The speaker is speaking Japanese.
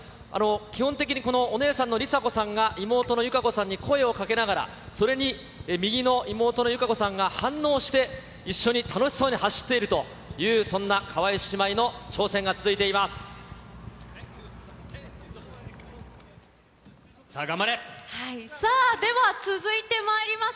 基本的に、このお姉さんの梨紗子さんが妹の友香子さんに声をかけながら、それに右の妹の友香子さんが反応して、一緒に楽しそうに走っているという、そんな川井姉妹の挑戦が続いています。